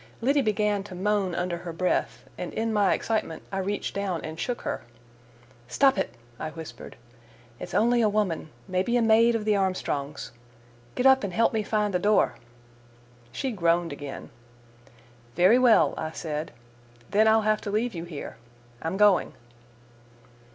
Liddy began to moan under her breath, and in my excitement I reached down and shook her. "Stop it," I whispered. "It's only a woman—maybe a maid of the Armstrongs'. Get up and help me find the door." She groaned again. "Very well," I said, "then I'll have to leave you here. I'm going."